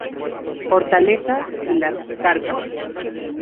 Hortaleza y Las Cárcavas.